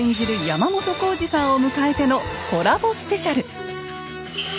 山本耕史さんを迎えてのコラボスペシャル！